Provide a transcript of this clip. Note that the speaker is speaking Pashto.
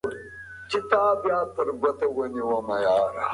آیا ټول خلک د وطن په ارزښت پوهېږي؟